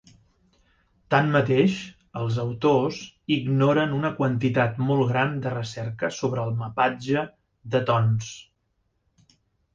Tanmateix, els autors ignoren una quantitat molt gran de recerca sobre el mapatge de tons.